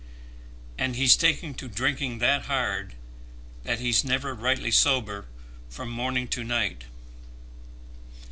"And he's taken to drinking that hard that he's never rightly sober from morning to night."